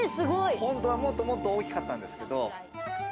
本当はもっともっと大きかったんですけど。